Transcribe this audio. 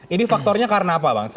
ini faktornya karena apa bang